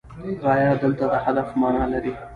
غایه دلته د هدف معنی لري.